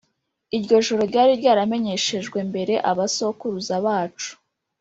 Iryo joro ryari ryaramenyeshejwe mbere abasokuruza bacu,